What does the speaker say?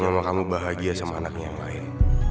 mama kamu bahagia sama anaknya yang lain